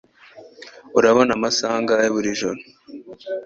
Urabona amasaha angahe buri joro?